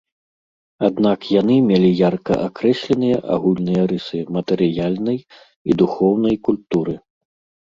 Аднак яны мелі ярка акрэсленыя агульныя рысы матэрыяльнай і духоўнай культуры.